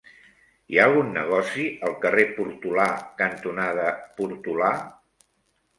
Hi ha algun negoci al carrer Portolà cantonada Portolà?